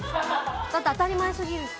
だって当たり前すぎる。